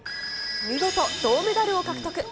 見事銅メダルを獲得。